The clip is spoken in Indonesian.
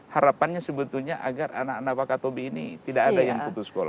harapannya sebetulnya agar anak anak wakatobi ini tidak ada yang putus sekolah